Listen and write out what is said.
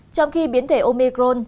trong khi biến thể omicron